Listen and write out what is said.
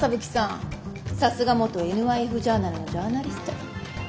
さすが元ＮＹＦジャーナルのジャーナリスト。